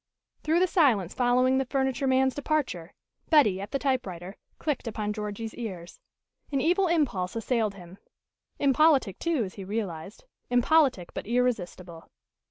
Through the silence following the furniture man's departure, Betty, at the typewriter, clicked upon Georgie's ears. An evil impulse assailed him impolitic, too, as he realized impolitic but irresistible.